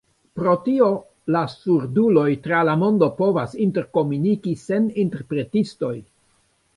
Pro tio la surduloj tra la mondo povas interkomuniki sen interpretistoj!